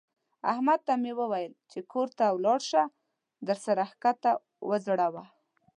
احمد ته مې وويل چې کور ته ولاړ شه؛ ده سر کښته وځړاوو.